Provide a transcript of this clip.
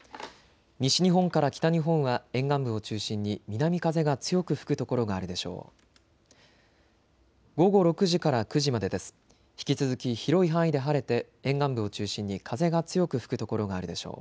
西日本から北日本は沿岸部を中心に南風が強く吹く所があるでしょう。